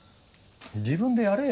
自分でやれよ。